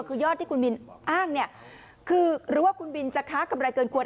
คือยอดที่คุณบินอ้างเนี่ยคือหรือว่าคุณบินจะค้ากำไรเกินควร